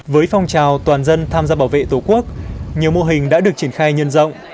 với phong trào toàn dân tham gia bảo vệ tổ quốc nhiều mô hình đã được triển khai nhân rộng